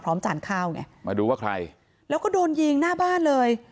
จานข้าวไงมาดูว่าใครแล้วก็โดนยิงหน้าบ้านเลย